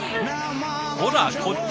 ほらこっち